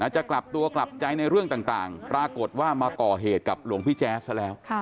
จะกลับตัวกลับใจในเรื่องต่างปรากฏว่ามาก่อเหตุกับหลวงพี่แจ๊สซะแล้ว